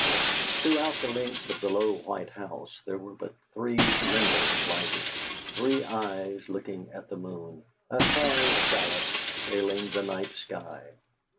Throughout the length of the low white house there were but three windows lighted, three eyes looking at the moon, a fairy shallop sailing the night sky.